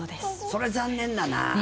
それ、残念だな。